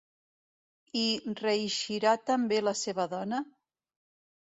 Hi reeixirà també la seva dona?